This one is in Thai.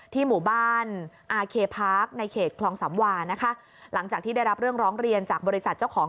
หมู่บ้านอาเคพาร์คในเขตคลองสำวานะคะหลังจากที่ได้รับเรื่องร้องเรียนจากบริษัทเจ้าของ